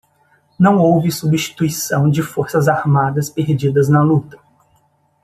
Não houve substituição de forças armadas perdidas na luta.